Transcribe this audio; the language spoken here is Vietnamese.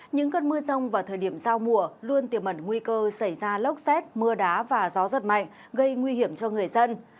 những cơn mưa rông vào thời điểm giao mùa luôn tiềm mẩn nguy cơ xảy ra lốc xét mưa đá và gió giật mạnh gây nguy hiểm cho người dân